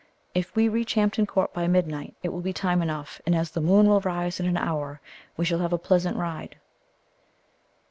If we reach Hampton Court by midnight, it will be time enough, and as the moon will rise in an hour, we shall have a pleasant ride."